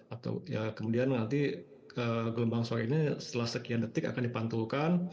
atau ya kemudian nanti gelombang suara ini setelah sekian detik akan dipantulkan